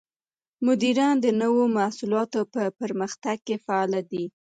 مدیران د نوو محصولاتو په پرمختګ کې فعال دي.